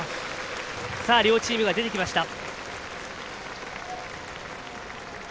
両チームが出てきました。